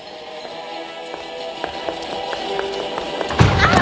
あっ